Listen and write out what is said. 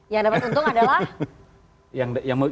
yang dapat untung adalah